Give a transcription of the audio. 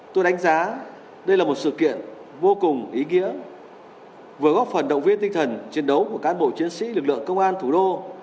tôi đánh giá đây là một sự kiện vô cùng ý nghĩa vừa góp phần động viên tinh thần chiến đấu của cán bộ chiến sĩ lực lượng công an thủ đô